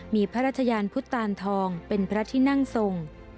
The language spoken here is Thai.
มีพระราชยานพุทธตานทองเป็นพระที่นั่งทรง